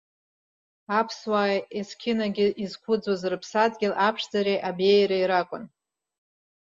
Аԥсуаа есқьынагьы изқәыӡуаз рыԥсадгьыл аԥшӡареи абеиареи ракәын.